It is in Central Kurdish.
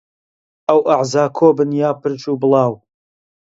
ئەو ئەعزا کۆبن یا پرژ و بڵاو